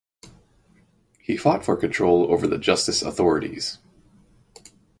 He fought for control over the justice authorities.